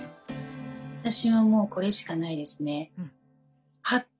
私はもうこれしかないですね。